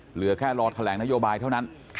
เหลือแค่รอแถลงนโยบายเท่านั้น